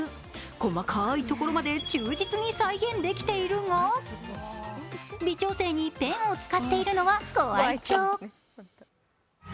細かいところまで忠実に再現できているが微調整にペンを使っているのはご愛きょう。